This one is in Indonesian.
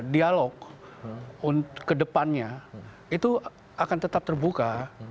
dialog ke depannya itu akan tetap terbuka